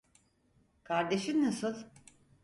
Kardeşin nasıl?